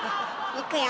いくよ。